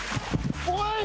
おい！